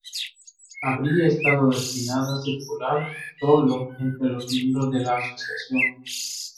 Habría estado destinada a circular sólo entre los miembros de la asociación.